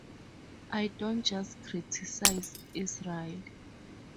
I don't just criticize Israel.